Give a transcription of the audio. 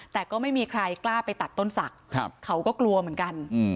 แต่ก็ไม่มีใครกล้าไปตัดต้นศักดิ์เขาก็กลัวเหมือนกัน